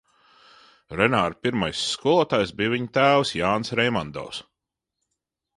Renāra pirmais skolotājs bija viņa tēvs Jānis Reimandovs.